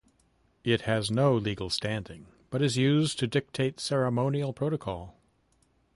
It has no legal standing but is used to dictate ceremonial protocol.